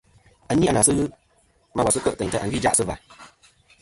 À ni a nà sɨ ghɨ ma wà sɨ kêʼ tèyn ta à sɨ gvî ìjaʼ sɨ và.